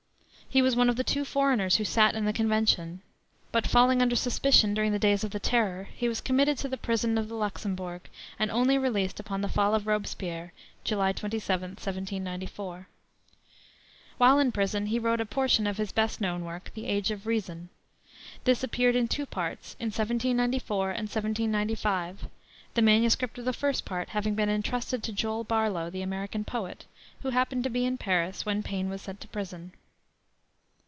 He was one of the two foreigners who sat in the Convention; but falling under suspicion during the days of the terror, he was committed to the prison of the Luxembourg and only released upon the fall of Robespierre July 27, 1794. While in prison he wrote a portion of his best known work, the Age of Reason. This appeared in two parts in 1794 and 1795, the manuscript of the first part having been intrusted to Joel Barlow, the American poet, who happened to be in Paris when Paine was sent to prison.